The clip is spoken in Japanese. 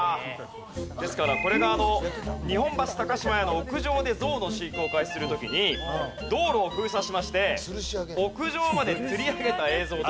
ですからこれが日本橋島屋の屋上でゾウの飼育を開始する時に道路を封鎖しまして屋上までつり上げた映像という事で。